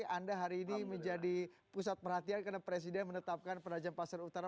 anda hari ini menjadi pusat perhatian karena presiden menetapkan penajam pasar utara